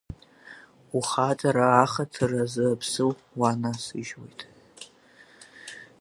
Ухаҵара аҳаҭыр азы уԥсы уанасыжьуеит.